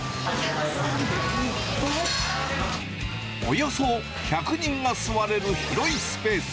およそ１００人が座れる広いスペース。